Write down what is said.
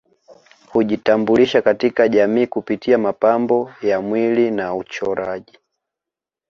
Hujitambulisha katika jamii kupitia mapambo ya mwili na uchoraji